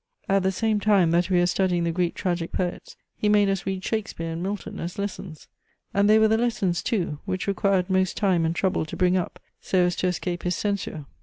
At the same time that we were studying the Greek tragic poets, he made us read Shakespeare and Milton as lessons: and they were the lessons too, which required most time and trouble to bring up, so as to escape his censure.